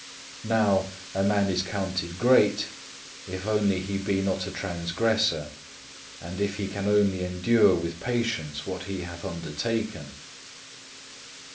Now a man is counted great if only he be not a transgressor, and if he can only endure with patience what he hath undertaken.